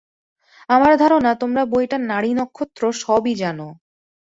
আমার ধারণা তোমরা বইটার নারী-নক্ষত্র সবই জানো।